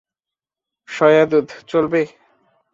সয়াদুধ, চলবে?